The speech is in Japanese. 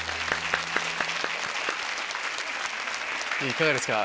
いかがですか？